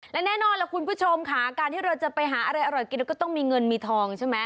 และแน่นอนล่ะคุณผู้ชมค่ะการที่เราจะไปหาอะไรอร่อยกินเราก็ต้องมีเงินมีทองใช่ไหม